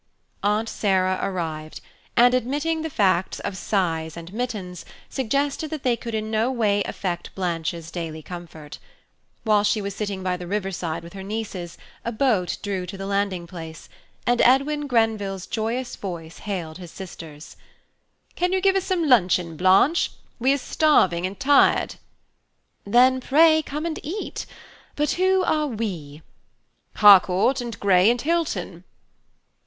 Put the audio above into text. Aunt Sarah arrived, and, admitting the facts of size and mittens, suggested that they could in no way affect Blanche's daily comfort. While she was sitting by the river side with her nieces, a boat drew to the landing place, and Edwin Grenville's joyous voice hailed his sisters–"Can you give us some luncheon, Blanche? we are starving and tired." "Then pray come and eat; but who are we? " "Harcourt, and Grey, and Hilton."